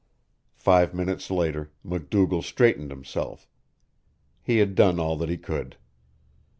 Five minutes later MacDougall straightened himself. He had done all that he could.